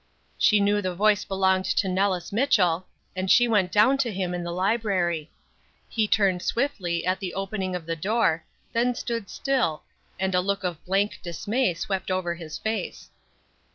She knew the voice belonged to Nellis Mitchell, and she went down to him in the library. He turned swiftly at the opening of the door, then stood still, and a look of blank dismay swept over his face.